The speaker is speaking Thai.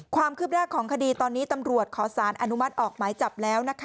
ความคืบหน้าของคดีตอนนี้ตำรวจขอสารอนุมัติออกหมายจับแล้ว